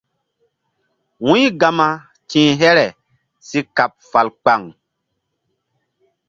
Wu̧y gama ti̧h here si kaɓ fal kpaŋ.